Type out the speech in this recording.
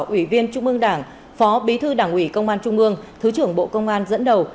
ủy viên trung ương đảng phó bí thư đảng ủy công an trung ương thứ trưởng bộ công an dẫn đầu